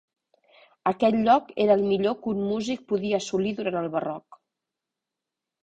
Aquest lloc era el millor que un músic podia assolir durant el Barroc.